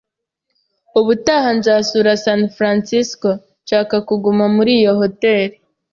Ubutaha nzasura San Francisco, ndashaka kuguma muri iyo hoteri.